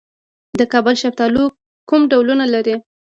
د کابل شفتالو کوم ډولونه لري؟